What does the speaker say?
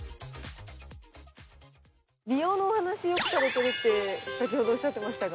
美容のお話よくされてるって先ほどおっしゃってましたが。